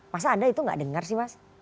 masa anda itu nggak dengar sih mas